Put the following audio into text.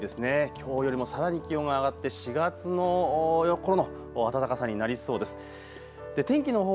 きょうよりもさらに気温が上がって４月のころの暖かさになりそうです。